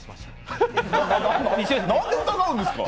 何で疑うんですか？